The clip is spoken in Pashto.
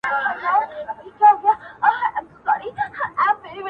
په اووه زورورو ورځو کي کيسه ده،